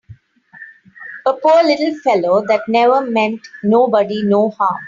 A poor little fellow that never meant nobody no harm!